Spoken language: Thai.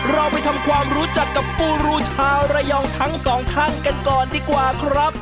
เราไปทำความรู้จักกับปูรูชาวระยองทั้งสองท่านกันก่อนดีกว่าครับ